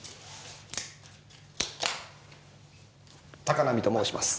高浪と申します。